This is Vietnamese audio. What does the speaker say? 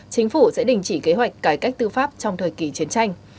chính phủ sẽ đình chỉ kế hoạch cải cách tư pháp trong thời kỳ chiến tranh